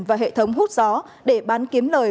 và hệ thống hút gió để bán kiếm lời